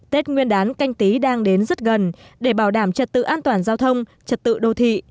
tết nguyên đán canh tí đang đến rất gần để bảo đảm trật tự an toàn giao thông trật tự đô thị